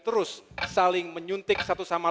terus saling menyuntik satu sama